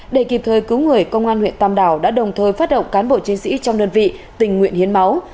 để kịp thời cứu người công an huyện tam đảo đã đồng thời phát động cán bộ chiến sĩ trong đơn vị tình nguyện hiến máu